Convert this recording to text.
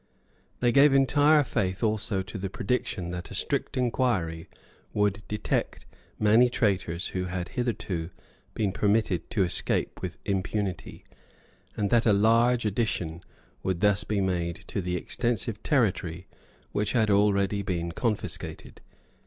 They gave entire faith also to the prediction that a strict inquiry would detect many traitors who had hitherto been permitted to escape with impunity, and that a large addition would thus be made to the extensive territory which had already been confiscated.